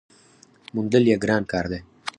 موندل یې ګران کار دی .